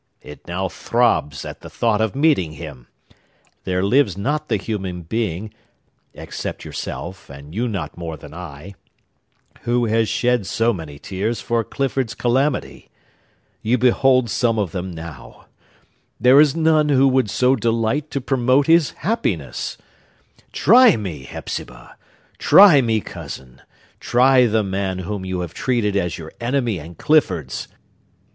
It now throbs at the thought of meeting him! There lives not the human being (except yourself,—and you not more than I) who has shed so many tears for Clifford's calamity. You behold some of them now. There is none who would so delight to promote his happiness! Try me, Hepzibah!—try me, Cousin!—try the man whom you have treated as your enemy and Clifford's!